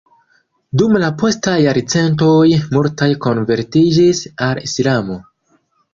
Dum la postaj jarcentoj multaj konvertiĝis al Islamo.